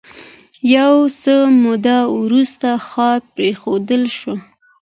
یو څه موده وروسته ښار پرېښودل شو.